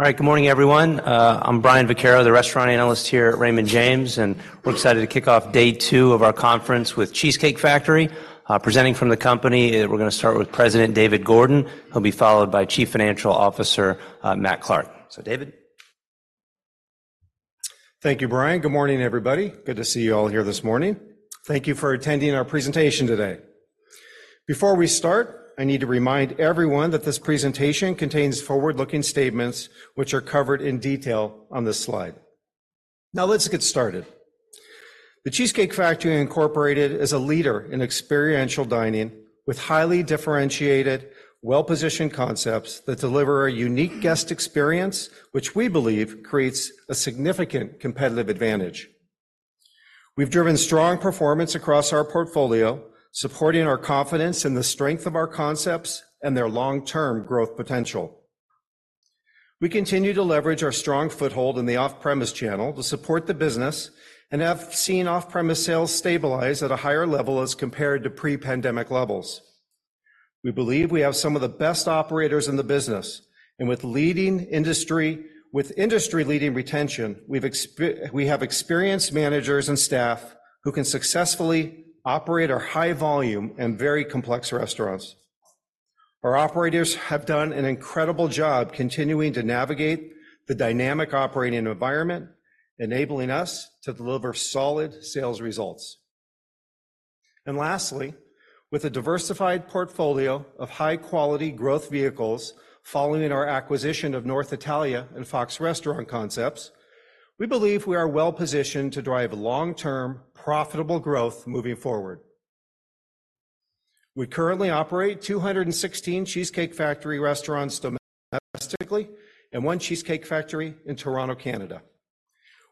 All right, good morning, everyone. I'm Brian Vaccaro, the restaurant analyst here at Raymond James, and we're excited to kick off day two of our conference with Cheesecake Factory. Presenting from the company, we're going to start with President David Gordon. He'll be followed by Chief Financial Officer Matt Clark. So, David. Thank you, Brian. Good morning, everybody. Good to see you all here this morning. Thank you for attending our presentation today. Before we start, I need to remind everyone that this presentation contains forward-looking statements which are covered in detail on this slide. Now, let's get started. The Cheesecake Factory Incorporated is a leader in experiential dining with highly differentiated, well-positioned concepts that deliver a unique guest experience, which we believe creates a significant competitive advantage. We've driven strong performance across our portfolio, supporting our confidence in the strength of our concepts and their long-term growth potential. We continue to leverage our strong foothold in the off-premise channel to support the business and have seen off-premise sales stabilize at a higher level as compared to pre-pandemic levels. We believe we have some of the best operators in the business, and with industry-leading retention, we have experienced managers and staff who can successfully operate our high-volume and very complex restaurants. Our operators have done an incredible job continuing to navigate the dynamic operating environment, enabling us to deliver solid sales results. And lastly, with a diversified portfolio of high-quality growth vehicles following our acquisition of North Italia and Fox Restaurant Concepts, we believe we are well-positioned to drive long-term, profitable growth moving forward. We currently operate 216 Cheesecake Factory restaurants domestically and one Cheesecake Factory in Toronto, Canada.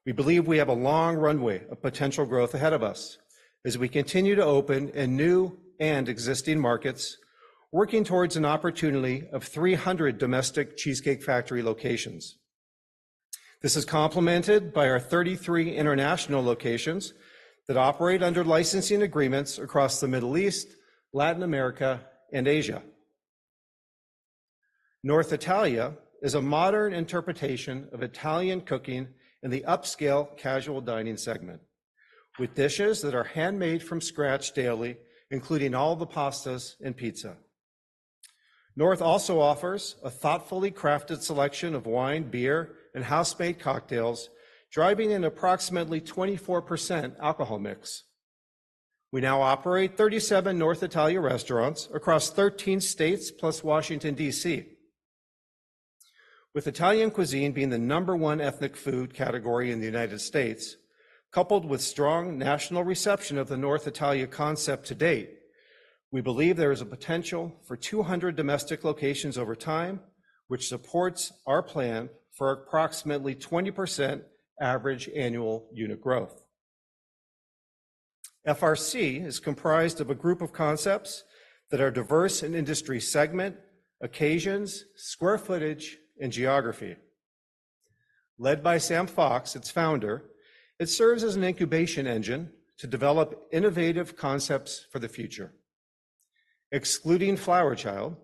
We believe we have a long runway of potential growth ahead of us as we continue to open in new and existing markets, working towards an opportunity of 300 domestic Cheesecake Factory locations. This is complemented by our 33 international locations that operate under licensing agreements across the Middle East, Latin America, and Asia. North Italia is a modern interpretation of Italian cooking in the upscale casual dining segment, with dishes that are handmade from scratch daily, including all the pastas and pizza. North also offers a thoughtfully crafted selection of wine, beer, and house-made cocktails, driving an approximately 24% alcohol mix. We now operate 37 North Italia restaurants across 13 states plus Washington, D.C. With Italian cuisine being the number one ethnic food category in the United States, coupled with strong national reception of the North Italia concept to date, we believe there is a potential for 200 domestic locations over time, which supports our plan for approximately 20% average annual unit growth. FRC is comprised of a group of concepts that are diverse in industry segment, occasions, square footage, and geography. Led by Sam Fox, its founder, it serves as an incubation engine to develop innovative concepts for the future. Excluding Flower Child,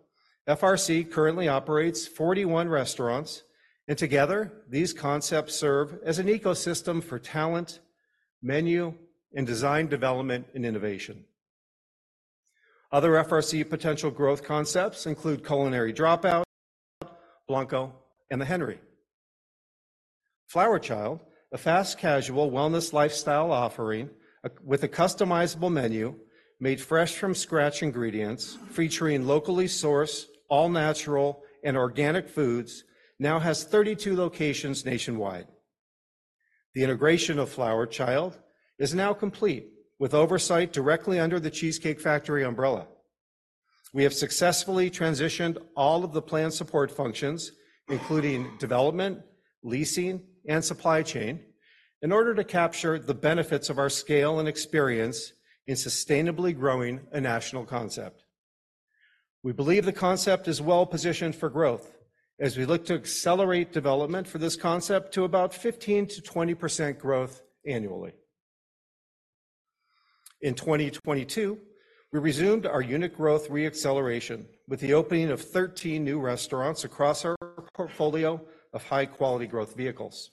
FRC currently operates 41 restaurants, and together, these concepts serve as an ecosystem for talent, menu, and design development and innovation. Other FRC potential growth concepts include Culinary Dropout, Blanco, and The Henry. Flower Child, a fast-casual wellness lifestyle offering with a customizable menu made fresh from scratch ingredients, featuring locally sourced, all-natural, and organic foods, now has 32 locations nationwide. The integration of Flower Child is now complete, with oversight directly under The Cheesecake Factory umbrella. We have successfully transitioned all of the plan support functions, including development, leasing, and supply chain, in order to capture the benefits of our scale and experience in sustainably growing a national concept. We believe the concept is well-positioned for growth, as we look to accelerate development for this concept to about 15%-20% growth annually. In 2022, we resumed our unit growth reacceleration with the opening of 13 new restaurants across our portfolio of high-quality growth vehicles.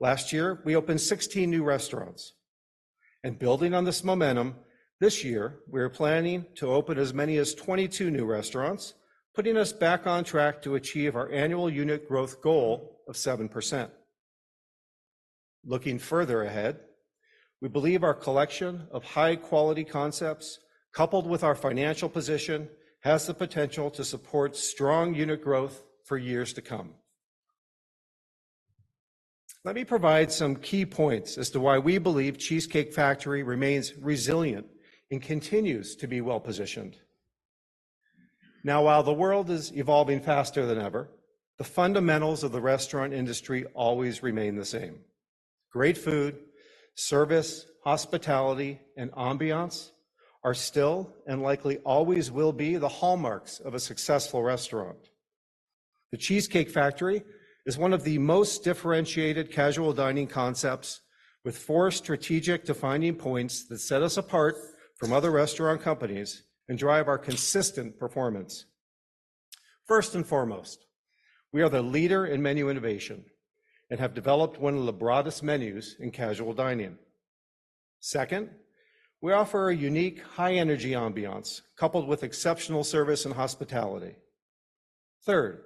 Last year, we opened 16 new restaurants. And building on this momentum, this year, we are planning to open as many as 22 new restaurants, putting us back on track to achieve our annual unit growth goal of 7%. Looking further ahead, we believe our collection of high-quality concepts, coupled with our financial position, has the potential to support strong unit growth for years to come. Let me provide some key points as to why we believe Cheesecake Factory remains resilient and continues to be well-positioned. Now, while the world is evolving faster than ever, the fundamentals of the restaurant industry always remain the same. Great food, service, hospitality, and ambiance are still, and likely always will be, the hallmarks of a successful restaurant. The Cheesecake Factory is one of the most differentiated casual dining concepts, with four strategic defining points that set us apart from other restaurant companies and drive our consistent performance. First and foremost, we are the leader in menu innovation and have developed one of the broadest menus in casual dining. Second, we offer a unique, high-energy ambiance coupled with exceptional service and hospitality. Third,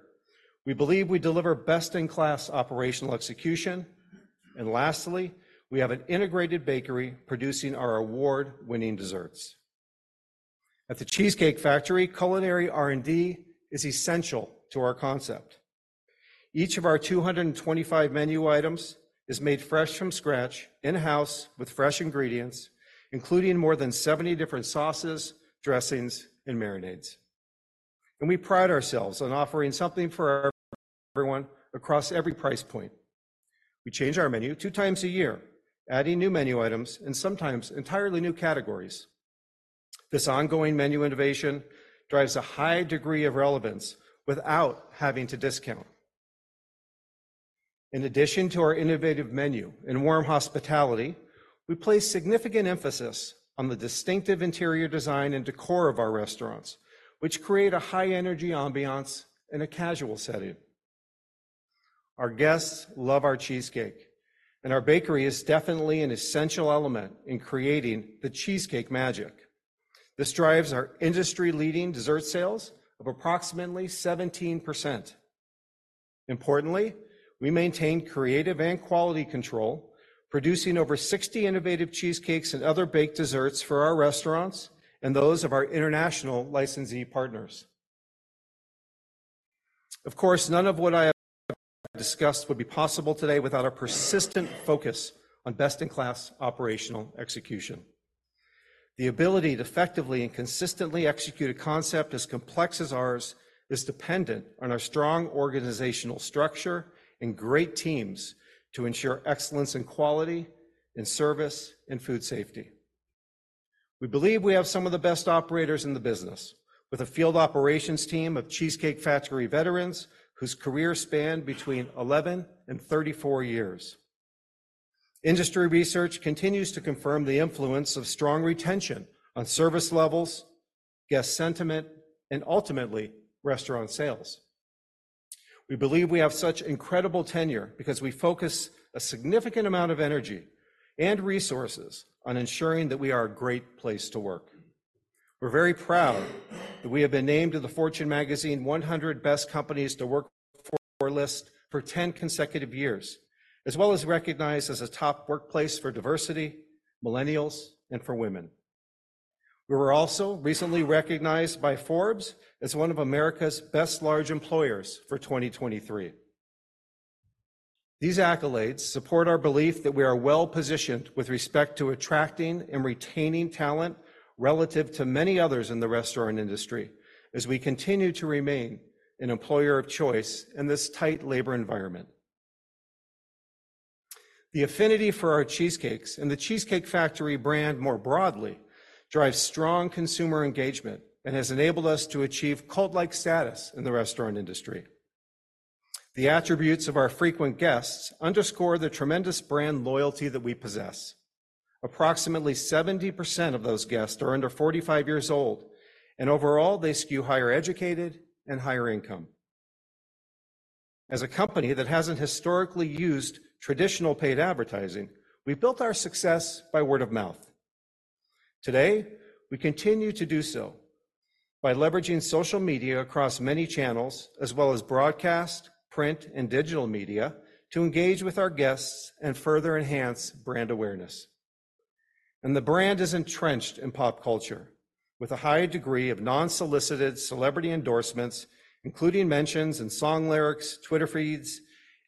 we believe we deliver best-in-class operational execution. And lastly, we have an integrated bakery producing our award-winning desserts. At The Cheesecake Factory, culinary R&D is essential to our concept. Each of our 225 menu items is made fresh from scratch in-house with fresh ingredients, including more than 70 different sauces, dressings, and marinades. We pride ourselves on offering something for everyone across every price point. We change our menu two times a year, adding new menu items and sometimes entirely new categories. This ongoing menu innovation drives a high degree of relevance without having to discount. In addition to our innovative menu and warm hospitality, we place significant emphasis on the distinctive interior design and décor of our restaurants, which create a high-energy ambiance in a casual setting. Our guests love our cheesecake, and our bakery is definitely an essential element in creating the cheesecake magic. This drives our industry-leading dessert sales of approximately 17%. Importantly, we maintain creative and quality control, producing over 60 innovative cheesecakes and other baked desserts for our restaurants and those of our international licensee partners. Of course, none of what I have discussed would be possible today without a persistent focus on best-in-class operational execution. The ability to effectively and consistently execute a concept as complex as ours is dependent on our strong organizational structure and great teams to ensure excellence in quality, in service, and food safety. We believe we have some of the best operators in the business, with a field operations team of Cheesecake Factory veterans whose careers span between 11 and 34 years. Industry research continues to confirm the influence of strong retention on service levels, guest sentiment, and ultimately restaurant sales. We believe we have such incredible tenure because we focus a significant amount of energy and resources on ensuring that we are a great place to work. We're very proud that we have been named to the Fortune magazine 100 Best Companies to Work For list for 10 consecutive years, as well as recognized as a top workplace for diversity, millennials, and for women. We were also recently recognized by Forbes as one of America's Best Large Employers for 2023. These accolades support our belief that we are well-positioned with respect to attracting and retaining talent relative to many others in the restaurant industry, as we continue to remain an employer of choice in this tight labor environment. The affinity for our cheesecakes and the Cheesecake Factory brand more broadly drives strong consumer engagement and has enabled us to achieve cult-like status in the restaurant industry. The attributes of our frequent guests underscore the tremendous brand loyalty that we possess. Approximately 70% of those guests are under 45 years old, and overall, they skew higher educated and higher income. As a company that hasn't historically used traditional paid advertising, we've built our success by word of mouth. Today, we continue to do so by leveraging social media across many channels, as well as broadcast, print, and digital media to engage with our guests and further enhance brand awareness. The brand is entrenched in pop culture, with a high degree of unsolicited celebrity endorsements, including mentions in song lyrics, Twitter feeds,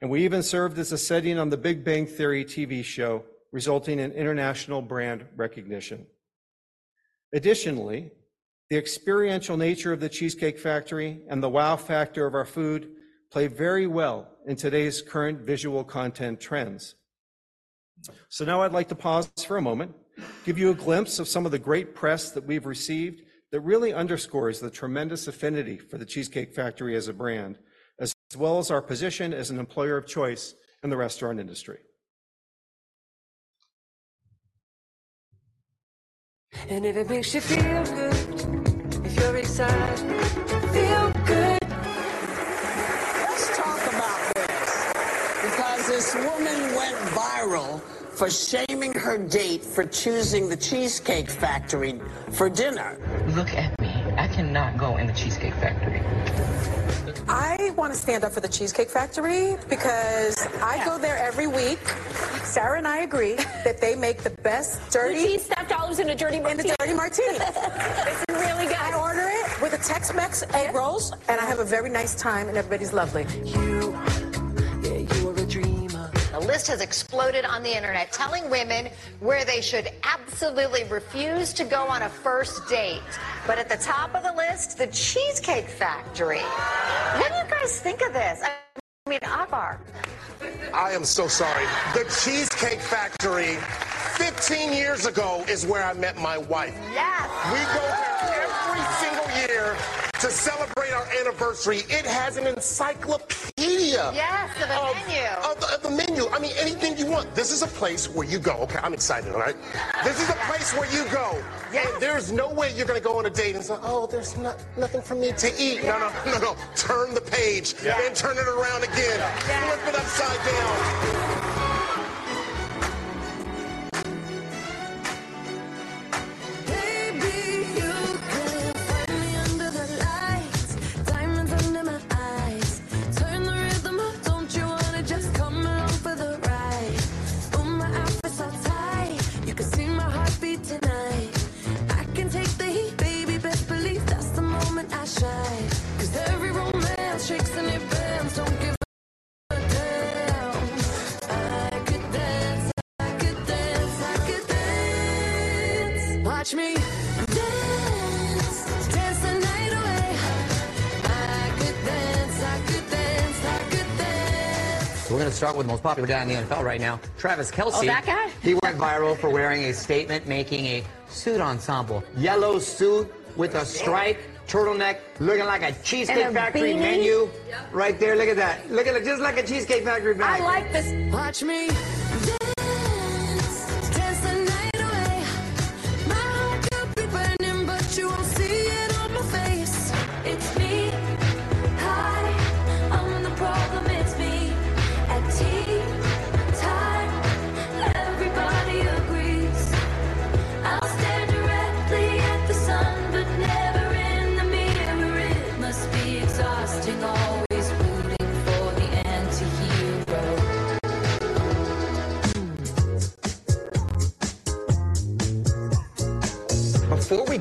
and we even served as a setting on The Big Bang Theory TV show, resulting in international brand recognition. Additionally, the experiential nature of the Cheesecake Factory and the wow factor of our food play very well in today's current visual content trends. So now I'd like to pause for a moment, give you a glimpse of some of the great press that we've received that really underscores the tremendous affinity for the Cheesecake Factory as a brand, as well as our position as an employer of choice in the restaurant industry. It makes you feel good if you're excited. Feel good. Let's talk about this because this woman went viral for shaming her date for choosing the Cheesecake Factory for dinner. Look at me. I cannot go in the Cheesecake Factory. I want to stand up for The Cheesecake Factory because I go there every week. Sarah and I agree that they make the best dirty. Martini stuffed olives in a Dirty Martini. In a Dirty Martini. It's really good. I order it with Tex Mex Eggrolls, and I have a very nice time, and everybody's lovely. You, yeah, you are a dreamer. The list has exploded on the internet, telling women where they should absolutely refuse to go on a first date. At the top of the list, The Cheesecake Factory. What do you guys think of this? I mean, I bar. I am so sorry. The Cheesecake Factory, 15 years ago, is where I met my wife. Yes. We go there every single year to celebrate our anniversary. It has an encyclopedia. Yes, of a menu. Of the menu. I mean, anything you want. This is a place where you go. Okay, I'm excited, all right? This is a place where you go. And there's no way you're going to go on a date and say, "Oh, there's nothing for me to eat." No, no, no, no. Turn the page. Then turn it around again. Flip it upside down. Baby,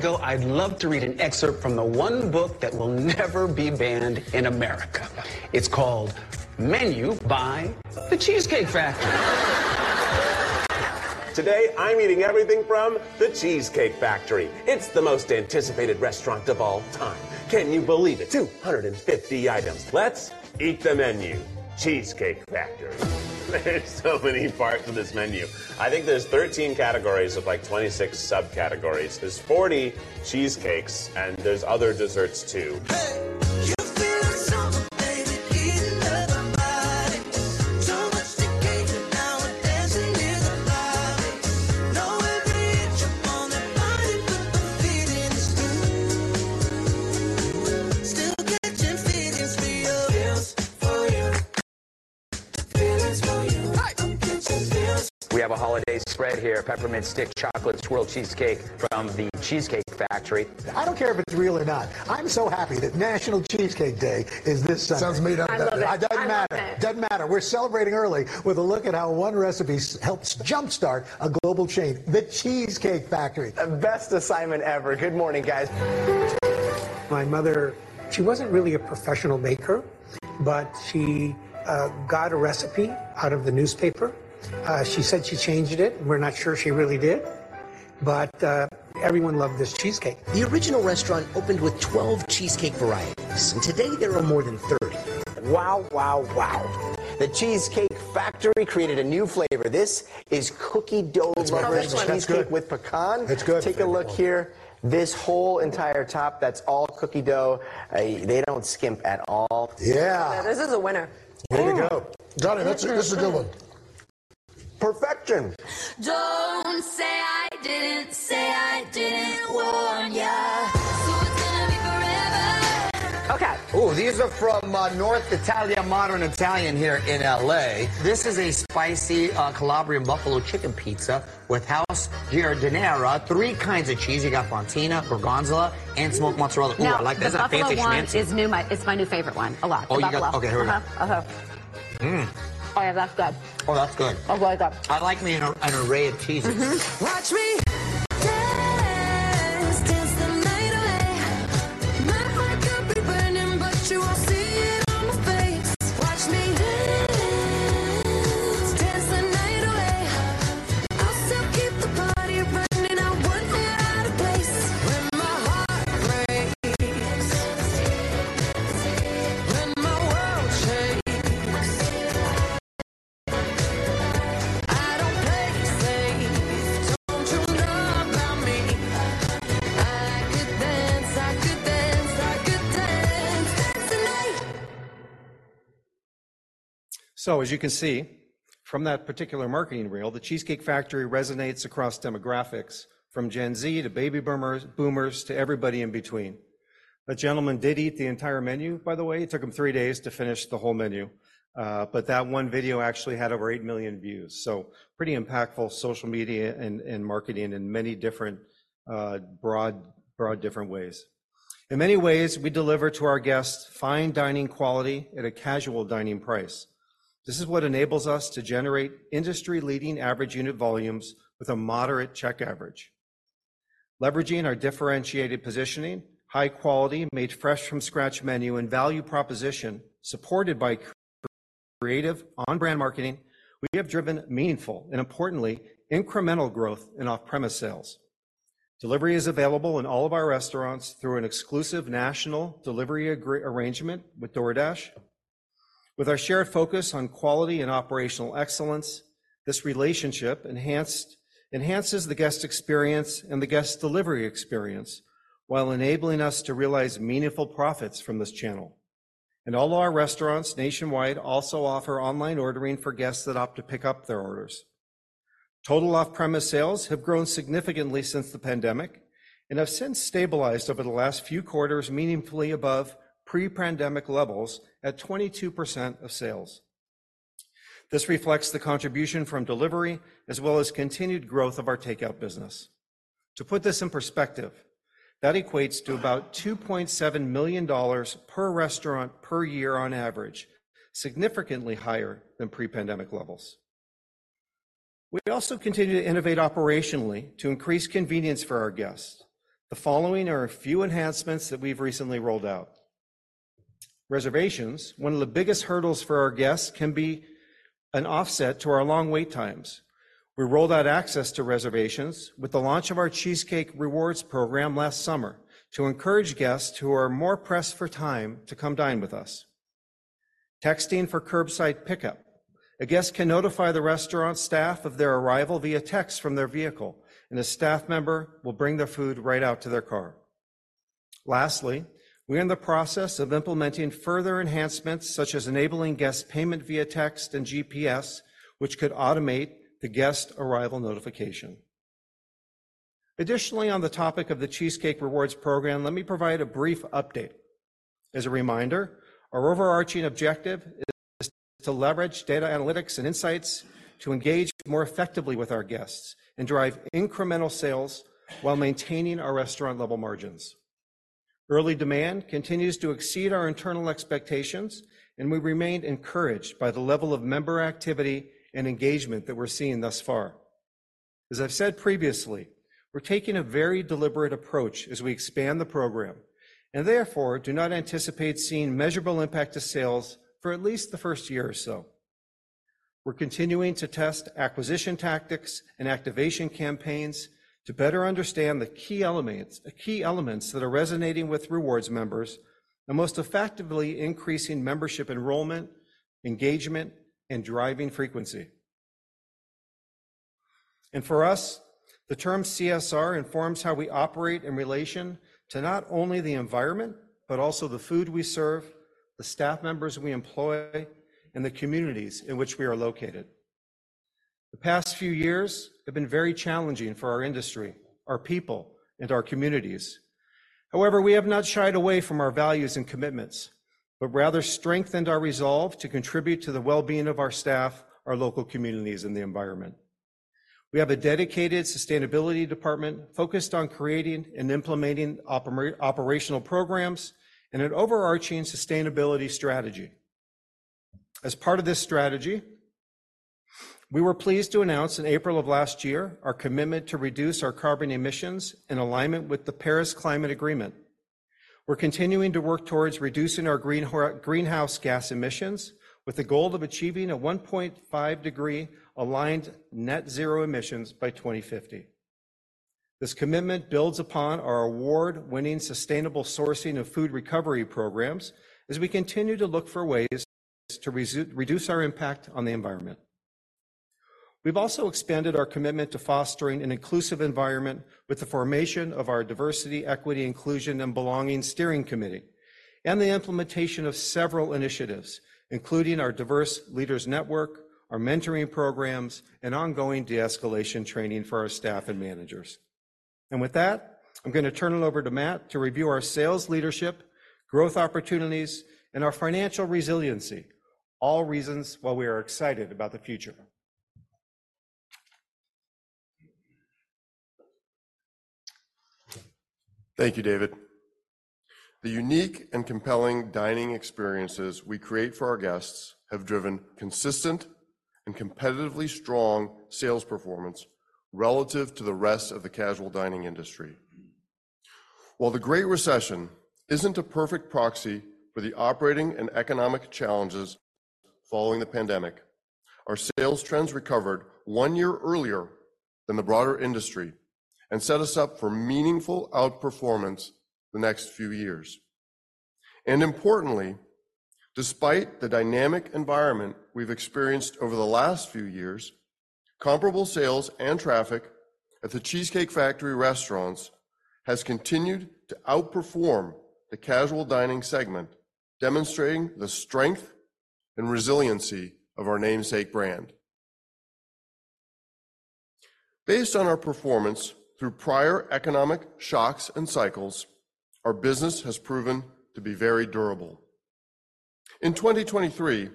dance. Dance the night away. My heart could be burning, but you won't see it on my face. It's me. Hi. I'm the problem. It's me. At tee time, everybody agrees. I'll stare directly at the sun, but never in the mirror. It must be exhausting, always rooting for the anti-hero. Before we go, I'd love to read an excerpt from the one book that will never be banned in America. It's called Menu by the Cheesecake Factory. Today, I'm eating everything from the Cheesecake Factory. It's the most anticipated restaurant of all time. Can you believe it? 250 items. Let's eat the menu. Cheesecake Factory. There's so many parts of this menu. I think there's 13 categories of like 26 subcategories. There's 40 cheesecakes, and there's other desserts too. Hey, you feel like summer, baby, eating up our bodies. Too much decay but now we're dancing in the lobby. Know every inch I'm on that body, but the feeling is new. Still catching feelings for you. Feels for you. The feelings for you. I'm catching feels. We have a holiday spread here, Peppermint Stick Chocolate Swirl Cheesecake from The Cheesecake Factory. I don't care if it's real or not. I'm so happy that National Cheesecake Day is this Sunday. Sounds made up. I love it. It doesn't matter. Doesn't matter. We're celebrating early with a look at how one recipe helps jump-start a global chain, the Cheesecake Factory. Best assignment ever. Good morning, guys. My mother, she wasn't really a professional baker, but she got a recipe out of the newspaper. She said she changed it. We're not sure she really did. But everyone loved this cheesecake. The original restaurant opened with 12 cheesecake varieties, and today there are more than 30. Wow, wow, wow. The Cheesecake Factory created a new flavor. This is cookie dough. It's another one. Cheesecake with pecans. It's good. Take a look here. This whole entire top, that's all cookie dough. They don't skimp at all. Yeah. This is a winner. Way to go. Johnny, that's a good one. Perfection. Don't say I didn't. Say I didn't warn ya. So it's going to be forever. Okay. Ooh, these are from North Italia Modern Italian here in L.A. This is a spicy Calabrian buffalo chicken pizza with house giardiniera. Three kinds of cheese. You got Fontina, Gorgonzola, and smoked mozzarella. Ooh, I like that. That's a fancy schmancy. That's my new favorite one. A lot. Oh, yeah. Okay. Here we go. Uh-huh. Oh, yeah. That's good. Oh, that's good. Oh, boy, it's good! I like me an array of cheeses. Watch me dance. Dance the night away. My heart could be burning, but you won't see it on my face. Watch me dance. Dance the night away. I'll still keep the party running. I want me out of place when my heart breaks. When my world shakes, I feel alive. I feel alive. I don't play safe. Don't you know about me? I could dance. I could dance. I could dance. Dance the night. As you can see from that particular marketing reel, The Cheesecake Factory resonates across demographics, from Gen Z to baby boomers to everybody in between. That gentleman did eat the entire menu, by the way. It took him three days to finish the whole menu. But that one video actually had over 8 million views. So pretty impactful social media and marketing in many different broad different ways. In many ways, we deliver to our guests fine dining quality at a casual dining price. This is what enables us to generate industry-leading average unit volumes with a moderate check average. Leveraging our differentiated positioning, high-quality, made-fresh-from-scratch menu, and value proposition supported by creative on-brand marketing, we have driven meaningful and, importantly, incremental growth in off-premise sales. Delivery is available in all of our restaurants through an exclusive national delivery arrangement with DoorDash. With our shared focus on quality and operational excellence, this relationship enhances the guest experience and the guest delivery experience while enabling us to realize meaningful profits from this channel. All of our restaurants nationwide also offer online ordering for guests that opt to pick up their orders. Total Off-Premise sales have grown significantly since the pandemic and have since stabilized over the last few quarters meaningfully above pre-pandemic levels at 22% of sales. This reflects the contribution from delivery as well as continued growth of our takeout business. To put this in perspective, that equates to about $2.7 million per restaurant per year on average, significantly higher than pre-pandemic levels. We also continue to innovate operationally to increase convenience for our guests. The following are a few enhancements that we've recently rolled out. Reservations, one of the biggest hurdles for our guests, can be an offset to our long wait times. We rolled out access to reservations with the launch of our Cheesecake Rewards program last summer to encourage guests who are more pressed for time to come dine with us. Texting for curbside pickup. A guest can notify the restaurant staff of their arrival via text from their vehicle, and a staff member will bring their food right out to their car. Lastly, we're in the process of implementing further enhancements such as enabling guests payment via text and GPS, which could automate the guest arrival notification. Additionally, on the topic of the Cheesecake Rewards program, let me provide a brief update. As a reminder, our overarching objective is to leverage data analytics and insights to engage more effectively with our guests and drive incremental sales while maintaining our restaurant-level margins. Early demand continues to exceed our internal expectations, and we remain encouraged by the level of member activity and engagement that we're seeing thus far. As I've said previously, we're taking a very deliberate approach as we expand the program and, therefore, do not anticipate seeing measurable impact to sales for at least the first year or so. We're continuing to test acquisition tactics and activation campaigns to better understand the key elements that are resonating with rewards members and most effectively increasing membership enrollment, engagement, and driving frequency. For us, the term CSR informs how we operate in relation to not only the environment but also the food we serve, the staff members we employ, and the communities in which we are located. The past few years have been very challenging for our industry, our people, and our communities. However, we have not shied away from our values and commitments but rather strengthened our resolve to contribute to the well-being of our staff, our local communities, and the environment. We have a dedicated sustainability department focused on creating and implementing operational programs and an overarching sustainability strategy. As part of this strategy, we were pleased to announce in April of last year our commitment to reduce our carbon emissions in alignment with the Paris Climate Agreement. We're continuing to work towards reducing our greenhouse gas emissions with the goal of achieving a 1.5-degree aligned Net-Zero Emissions by 2050. This commitment builds upon our award-winning sustainable sourcing of food recovery programs as we continue to look for ways to reduce our impact on the environment. We've also expanded our commitment to fostering an inclusive environment with the formation of our Diversity, Equity, Inclusion, and Belonging Steering Committee and the implementation of several initiatives, including our Diverse Leaders Network, our mentoring programs, and ongoing de-escalation training for our staff and managers. And with that, I'm going to turn it over to Matt to review our sales leadership, growth opportunities, and our financial resiliency, all reasons why we are excited about the future. Thank you, David. The unique and compelling dining experiences we create for our guests have driven consistent and competitively strong sales performance relative to the rest of the casual dining industry. While the Great Recession isn't a perfect proxy for the operating and economic challenges following the pandemic, our sales trends recovered one year earlier than the broader industry and set us up for meaningful outperformance the next few years. Importantly, despite the dynamic environment we've experienced over the last few years, comparable sales and traffic at The Cheesecake Factory restaurants has continued to outperform the casual dining segment, demonstrating the strength and resiliency of our namesake brand. Based on our performance through prior economic shocks and cycles, our business has proven to be very durable. In 2023,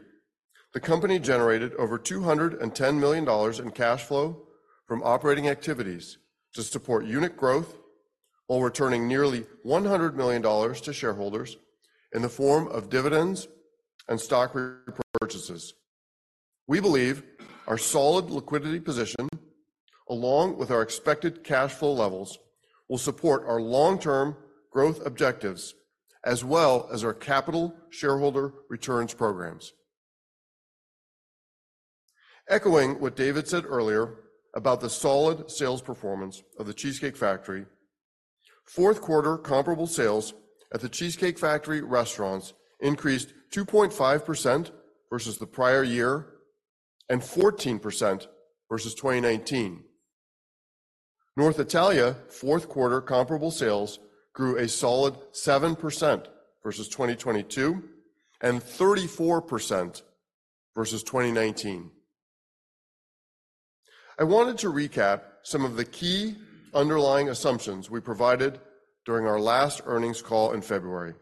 the company generated over $210 million in cash flow from operating activities to support unit growth while returning nearly $100 million to shareholders in the form of dividends and stock repurchases. We believe our solid liquidity position, along with our expected cash flow levels, will support our long-term growth objectives as well as our capital shareholder returns programs. Echoing what David said earlier about the solid sales performance of The Cheesecake Factory, fourth-quarter comparable sales at The Cheesecake Factory restaurants increased 2.5% versus the prior year and 14% versus 2019. North Italia fourth-quarter comparable sales grew a solid 7% versus 2022 and 34% versus 2019. I wanted to recap some of the key underlying assumptions we provided during our last earnings call in February.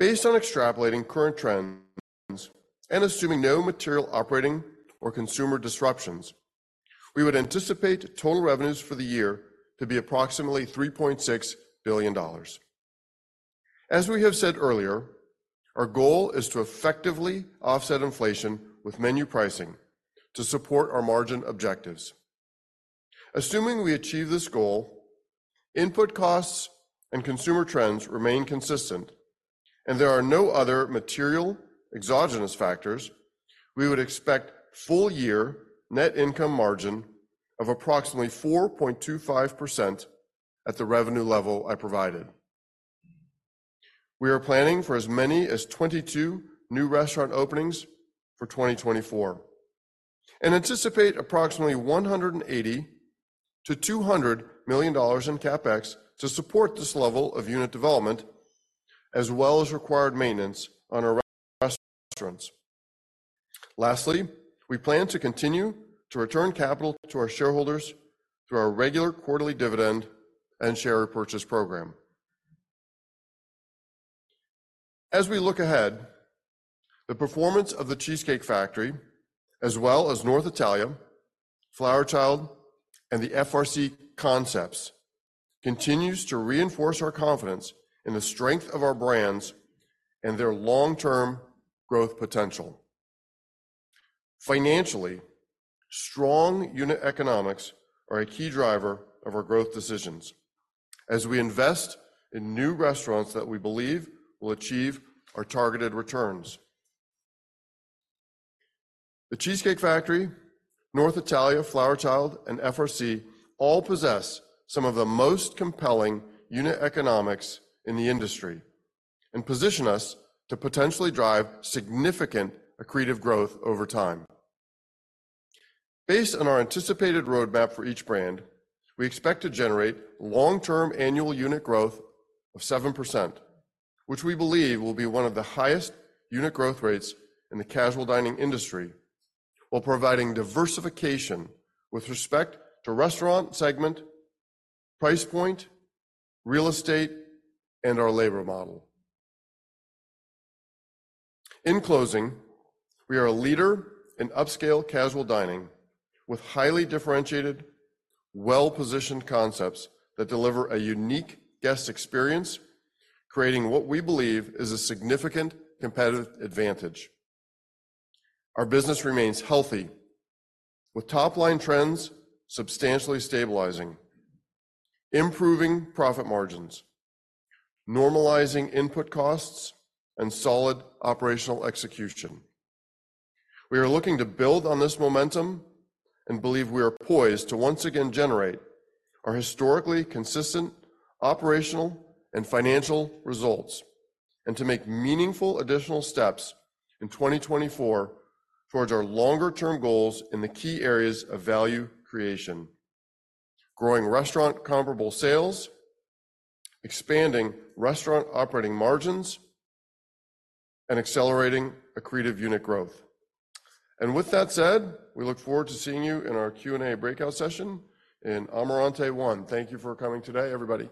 Based on extrapolating current trends and assuming no material operating or consumer disruptions, we would anticipate total revenues for the year to be approximately $3.6 billion. As we have said earlier, our goal is to effectively offset inflation with menu pricing to support our margin objectives. Assuming we achieve this goal, input costs and consumer trends remain consistent, and there are no other material exogenous factors, we would expect full-year net income margin of approximately 4.25% at the revenue level I provided. We are planning for as many as 22 new restaurant openings for 2024 and anticipate approximately $180 million-$200 million in CapEx to support this level of unit development as well as required maintenance on our restaurants. Lastly, we plan to continue to return capital to our shareholders through our regular quarterly dividend and share repurchase program. As we look ahead, the performance of The Cheesecake Factory as well as North Italia, Flower Child, and the FRC concepts continues to reinforce our confidence in the strength of our brands and their long-term growth potential. Financially, strong unit economics are a key driver of our growth decisions as we invest in new restaurants that we believe will achieve our targeted returns. The Cheesecake Factory, North Italia, Flower Child, and FRC all possess some of the most compelling unit economics in the industry and position us to potentially drive significant accretive growth over time. Based on our anticipated roadmap for each brand, we expect to generate long-term annual unit growth of 7%, which we believe will be one of the highest unit growth rates in the casual dining industry while providing diversification with respect to restaurant segment, price point, real estate, and our labor model. In closing, we are a leader in upscale casual dining with highly differentiated, well-positioned concepts that deliver a unique guest experience, creating what we believe is a significant competitive advantage. Our business remains healthy with top-line trends substantially stabilizing, improving profit margins, normalizing input costs, and solid operational execution. We are looking to build on this momentum and believe we are poised to once again generate our historically consistent operational and financial results and to make meaningful additional steps in 2024 towards our longer-term goals in the key areas of value creation: growing restaurant comparable sales, expanding restaurant operating margins, and accelerating accretive unit growth. And with that said, we look forward to seeing you in our Q&A breakout session in Amarante One. Thank you for coming today, everybody.